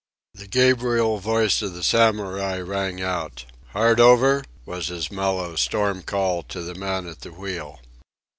The Gabriel voice of the Samurai rang out. "Hard over?" was his mellow storm call to the man at the wheel.